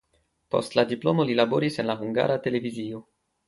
Post la diplomo li laboris en la Hungara Televizio.